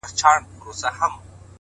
علم د فکر وسعت پراخوي’